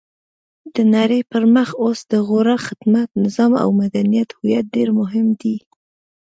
د نړۍ پرمخ اوس د غوره خدمت، نظام او مدنیت هویت ډېر مهم دی.